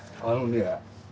あのね